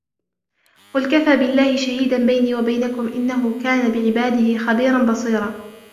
قل كفى بالله شهيدا بيني وبينكم إنه كان بعباده خبيرا بصيرا